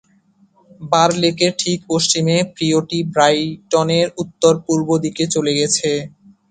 বার লেকের ঠিক পশ্চিমে, ফ্রিওয়েটি ব্রাইটনের উত্তর-পূর্ব দিকে চলে গেছে।